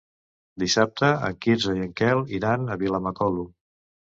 Dissabte en Quirze i en Quel iran a Vilamacolum.